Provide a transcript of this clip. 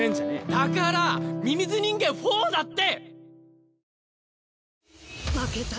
だから「ミミズ人間４」だって！